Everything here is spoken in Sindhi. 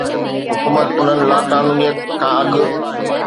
حڪومت انهن لاقانونيت کان اڳ